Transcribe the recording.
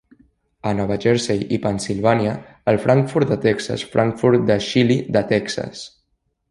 A Nova Jersey i Pennsilvània, el "frankfurt de Texas", "frankfurt de xili de Texas".